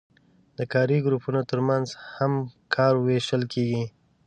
د کاري ګروپونو ترمنځ هم کار ویشل کیږي.